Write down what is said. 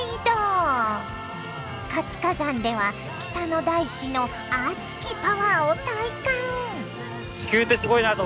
活火山では北の大地の熱きパワーを体感！